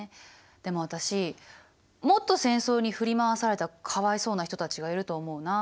でも私もっと戦争に振り回されたかわいそうな人たちがいると思うな。